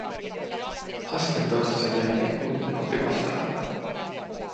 Askel toisensa jälkeen kuljimme kohti vastarantaa.